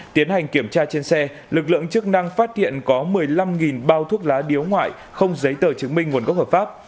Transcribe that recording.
tiến hành kiểm tra trên xe lực lượng chức năng phát hiện có một mươi năm bao thuốc lá điếu ngoại không giấy tờ chứng minh nguồn gốc hợp pháp